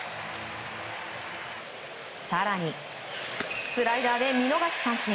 更にスライダーで見逃し三振。